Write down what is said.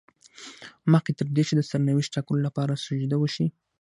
مخکې تر دې چې د سرنوشت ټاکلو لپاره سجده وشي.